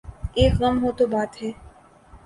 ایک غم ہو تو بات ہے۔